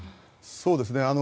そうですね。